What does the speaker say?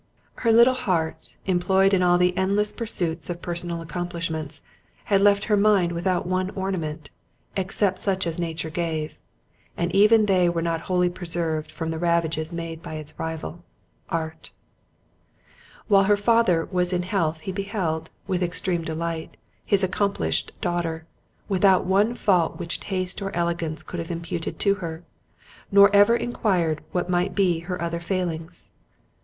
Her little heart employed in all the endless pursuits of personal accomplishments, had left her mind without one ornament, except such as nature gave; and even they were not wholly preserved from the ravages made by its rival, Art. While her father was in health he beheld, with extreme delight, his accomplished daughter, without one fault which taste or elegance could have imputed to her; nor ever enquired what might be her other failings.